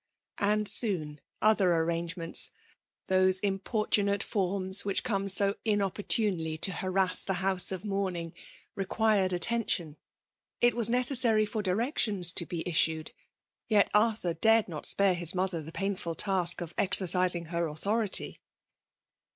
And soon, other arrangements, — those im portunate forms which come so inopportond^ to harass the house of mourning, required iattention. It was necessary for direetioiis to be issued; yet Arthur dared cot iqmre hii mother the painfxd task of exercising her authority.